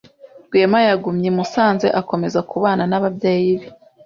Rwema yagumye i Musanze akomeza kubana n'ababyeyi be